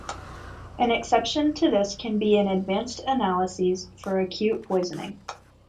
An exception to this can be in advanced analyses for acute poisoning.